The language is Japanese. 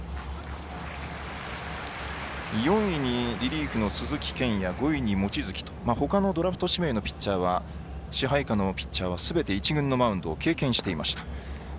４位にリリーフの鈴木健矢５位に望月ほかのドラフト指名のピッチャー支配下のピッチャーは、すべて自分のマウンドを経験していました。